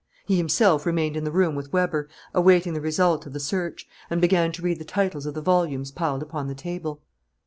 He himself remained in the room with Weber, awaiting the result of the search, and began to read the titles of the volumes piled upon the table.